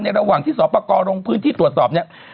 ระหว่างที่สอบประกอบลงพื้นที่ตรวจสอบเนี่ย